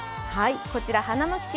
こちら花巻市